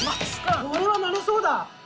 これはなれそうだ。